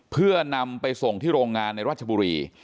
เพื่อนำไปส่งที่โรงงานในราชบุรี